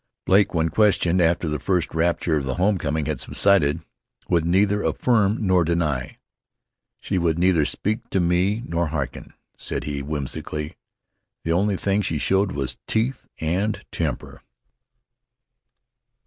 Blake, when questioned, after the first rapture of the home coming had subsided, would neither affirm nor deny. "She would neither speak to me nor harken," said he, whimsically. "The only thing she showed was teeth and temper."